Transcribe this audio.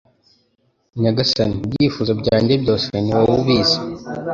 Nyagasani ibyifuzo byanjye byose ni wowe ubizi